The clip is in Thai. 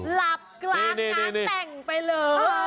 หลับกลางงานแต่งไปเลย